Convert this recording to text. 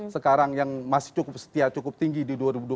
sekarang yang masih cukup setia cukup tinggi di dua ribu dua puluh